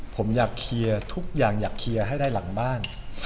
ผมอยากเคลียร์ทุกอย่างอยากเคลียร์ให้ได้หลังบ้าน